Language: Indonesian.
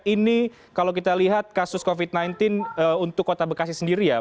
ini kalau kita lihat kasus covid sembilan belas untuk kota bekasi sendiri ya